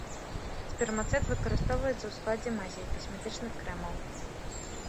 Спермацэт выкарыстоўваецца у складзе мазей, касметычных крэмаў.